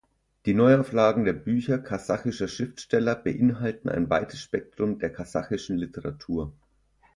Die Neuauflagen der Bücher kasachischer Schriftsteller beinhalten ein weites Spektrum der kasachischen Literatur.